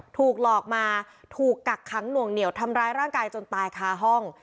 ถูกหลอกมาถูกกักขังหน่วงเหนียวทำร้ายร่างกายจนตายคาห้อง